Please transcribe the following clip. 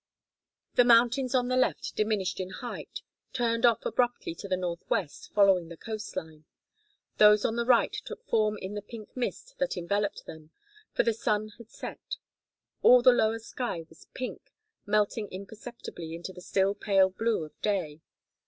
The mountains on the left diminished in height, turned off abruptly to the northwest, following the coast line. Those on the right took form in the pink mist that enveloped them, for the sun had set. All the lower sky was pink, melting imperceptibly into the still pale blue of day.